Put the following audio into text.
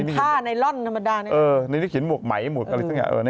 เป็นท่านายลอนธรรมดาเป็นอีกอีกนะนี่เขียนหมวกไหมไม่เป็นไหมพรมนะ